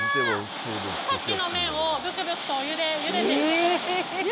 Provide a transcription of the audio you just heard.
さっきの麺を、ぶくぶくとお湯でゆでています。